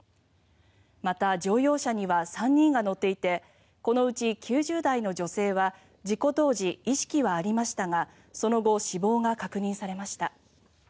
また、乗用車には３人が乗っていてこのうち９０代の女性は事故当時、意識はありましたがその後、死亡が確認されました。